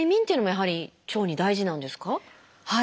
はい。